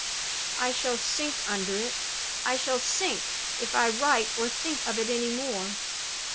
"I shall sink under it I shall sink, if I write or think of it any more!